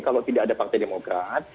kalau tidak ada partai demokrat